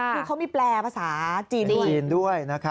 เพราะเขามีแปลภาษาจีนด้วย